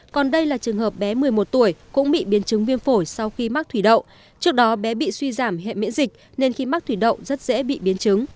còn đây là trường hợp bé một mươi một tuổi cũng bị biến chứng viêm phổi sau khi mắc thủy đậu trước đó bé bị suy giảm hệ miễn dịch nên khi mắc thủy đậu rất dễ bị biến chứng